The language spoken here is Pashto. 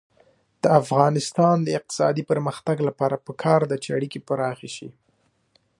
د افغانستان د اقتصادي پرمختګ لپاره پکار ده چې اړیکې پراخې شي.